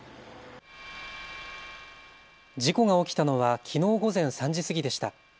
事故が起きたのはきのう午前３時過ぎでした。